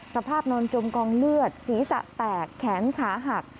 สภาพนอนจมกองเลือดศีรษะแตกแขนขาหัก